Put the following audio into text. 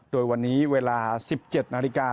โดยวันนี้เวลา๑๗นาฬิกา